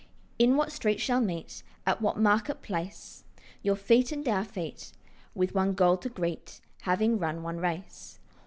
In what street shall meet, At what market place, Your feet and our feet, With one goal to greet, Having run one race?